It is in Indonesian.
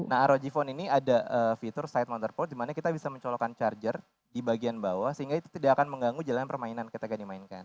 nah rog phone ini ada fitur side mounter port dimana kita bisa mencolokkan charger di bagian bawah sehingga itu tidak akan mengganggu jalan permainan ketika dimainkan